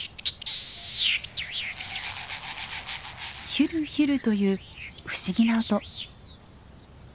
ヒュルヒュルという不思議な音。